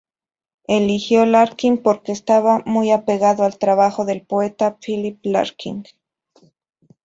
Eligió "Larkin" porque estaba muy apegado al trabajo del poeta Philip Larkin.